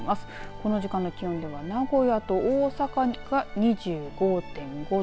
この時間の気温では名古屋と大阪が２５．５度。